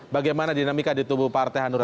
bagaimana dinamika di tubuh partai hanura